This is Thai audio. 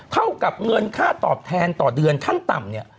เท่ากับเงินค่าตอบแทนต่อเดือนขั้นต่ำเนี่ย